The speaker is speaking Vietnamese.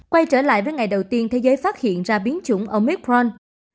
quay trở lại với ngày đầu tiên thế giới phát hiện ra biến chủng omecron